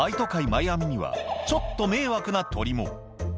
マイアミには、ちょっと迷惑な鳥も。